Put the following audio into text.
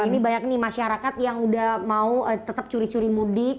ini banyak masyarakat yang mau tetap curi curi mudik